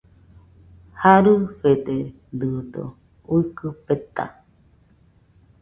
Jarɨfededɨdo uikɨ peta